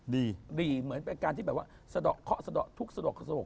ดีดีเหมือนเป็นการที่แบบว่าสะดอกเขาสะดอกทุกข์สะดอกสะดอก